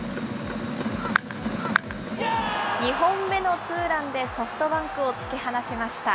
２本目のツーランでソフトバンクを突き放しました。